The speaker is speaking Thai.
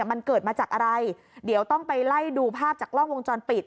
มันเกิดมาจากอะไรเดี๋ยวต้องไปไล่ดูภาพจากกล้องวงจรปิด